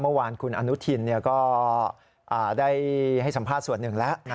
เมื่อวานคุณอนุทินก็ได้ให้สัมภาษณ์ส่วนหนึ่งแล้ว